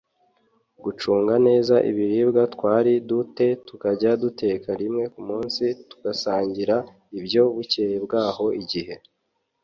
gucunga neza ibiribwa twari du te tukajya duteka rimwe ku munsi tugasangira ibyo bukeye bwaho igihe